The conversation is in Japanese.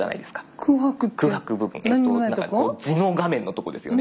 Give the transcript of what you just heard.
地の画面のとこですよね。